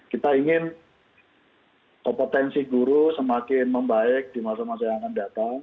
kita ingin kompetensi guru semakin membaik di masa masa yang akan datang